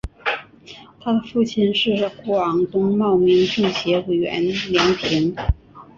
她的父亲是广东茂名政协委员梁平。